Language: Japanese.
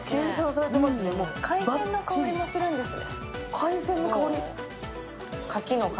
海鮮の香りもするんですね。